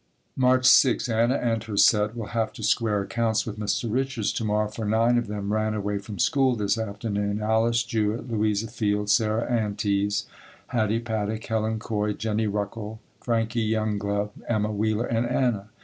March 6. Anna and her set will have to square accounts with Mr. Richards to morrow, for nine of them ran away from school this afternoon, Alice Jewett, Louisa Field, Sarah Antes, Hattie Paddock, Helen Coy, Jennie Ruckel, Frankie Younglove, Emma Wheeler and Anna.